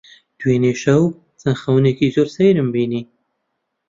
دوێنێ شەو چەند خەونێکی زۆر سەیرم بینی.